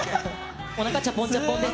おなかちゃぽんちゃぽんです。